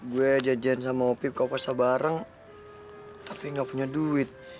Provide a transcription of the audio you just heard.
gue jajan sama opi mau puasa bareng tapi gak punya duit